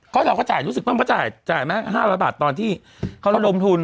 ก็เราก็จ่ายรู้สึกว่ามันก็จ่ายไหม๕๐๐บาทตอนที่เขาระดมทุน